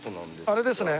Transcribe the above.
あれですね。